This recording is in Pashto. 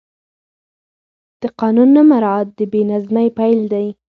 د قانون نه مراعت د بې نظمۍ پیل دی